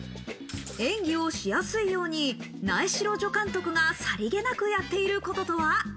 演技をしやすいように苗代助監督がさりげなくやっていることとは？